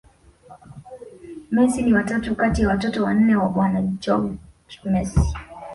Messi ni wa tatu kati ya watoto wanne wa bwana Jorge Mesi